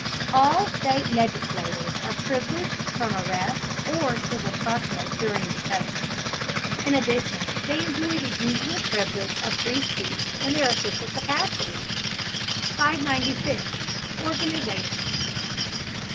All state legislators are privileged from arrest or civil process during the session. In addition they enjoy the usual privilege of free speech in their official capacities. 596. ORGANIZATION.